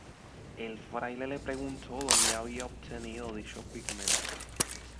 El fraile le preguntó dónde había obtenido dicho pigmento.